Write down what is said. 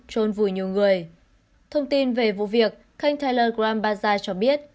trôn vùi nhiều người thông tin về vụ việc khanh tyler graham baza cho biết